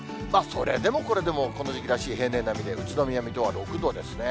それでもこれでも、この時期らしい平年並みで、宇都宮、水戸は６度ですね。